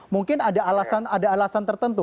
mungkin ada alasan tertentu